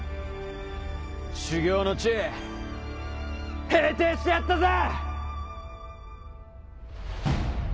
修業の地平定してやったぜ！